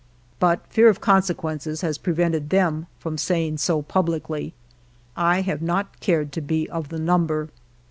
But fear of consequences has prevented them from saying so publicly. I have not cared to be of the number.